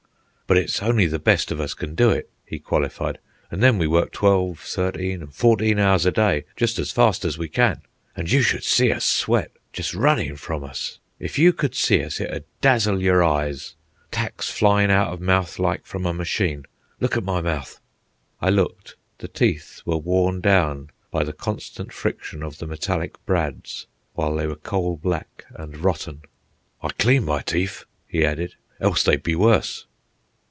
"But it's only the best of us can do it," he qualified. "An' then we work twelve, thirteen, and fourteen hours a day, just as fast as we can. An' you should see us sweat! Just running from us! If you could see us, it'd dazzle your eyes—tacks flyin' out of mouth like from a machine. Look at my mouth." I looked. The teeth were worn down by the constant friction of the metallic brads, while they were coal black and rotten. "I clean my teeth," he added, "else they'd be worse."